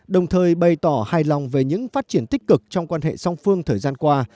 đồng thời bày tỏ hài lòng về những phát triển tích cực trong quan hệ song phương thời gian qua